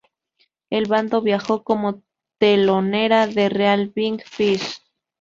La banda viajó como telonera de Reel Big Fish.